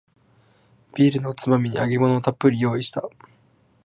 ビールのおつまみに揚げ物をたっぷり用意した